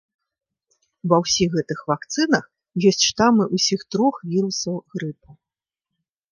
Ва ўсіх гэтых вакцынах ёсць штамы ўсіх трох вірусаў грыпу.